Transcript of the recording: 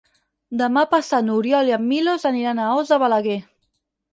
Demà passat n'Oriol i en Milos aniran a Os de Balaguer.